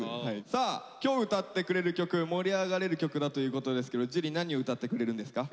さあ今日歌ってくれる曲盛り上がれる曲だということですけど樹何を歌ってくれるんですか？